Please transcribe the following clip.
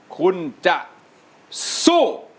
คุณจะสู้